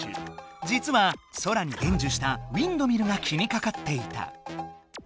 じつはソラに伝授したウインドミルが気にかかっていた。